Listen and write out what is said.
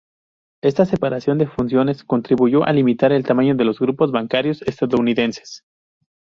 Esta separación de funciones contribuyó a limitar el tamaño de los grupos bancarios estadounidenses.